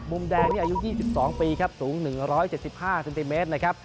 มุมแดงนี่อายุ๒๒ปีครับสูง๑๗๕เซนติเมตรนะครับ